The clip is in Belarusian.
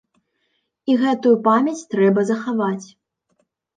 І гэтую памяць трэба захаваць.